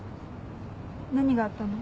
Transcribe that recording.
何があったの？